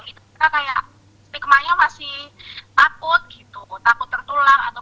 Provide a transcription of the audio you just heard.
warga yang dinyatakan positif covid sembilan belas dan keluarganya